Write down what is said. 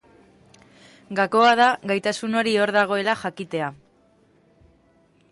Gakoa da gaitasun hori hor dagoela jakitea.